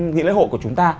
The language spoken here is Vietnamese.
nghị lễ hội của chúng ta